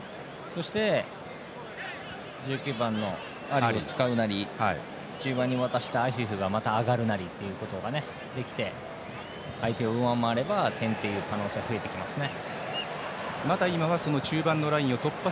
そして、１９番のアリを使うなり中盤に渡してアフィフがまた上がるなりということができれば相手を上回れば点という可能性は増えてきますね。